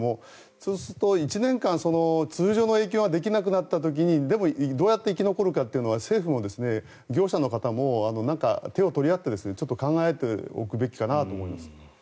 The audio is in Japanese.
そうすると、１年間通常の営業ができなくなった時にでも、どうやって生き残るかというのは政府も業者の方も手を取り合って考えておくべきかなと思います。